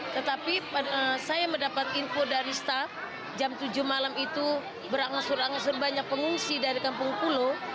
tetapi saya mendapat info dari staff jam tujuh malam itu berangsur angsur banyak pengungsi dari kampung pulau